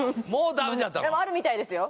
でもあるみたいですよ